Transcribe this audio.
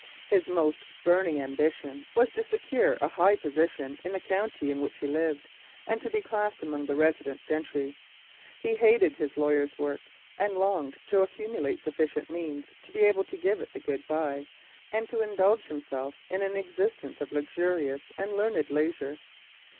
His most burning ambition was to secure a high position in the county in which he lived, and to be classed among the resident gentry. He hated his lawyer's work, and longed to accumulate sufficient means to be able to give it the good bye and to indulge himself in an existence of luxurious and learned leisure.